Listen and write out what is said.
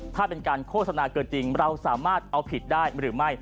ถ้าเป็นการโฆษณาเกินจริงเราสามารถเอาผิดได้หรือไม่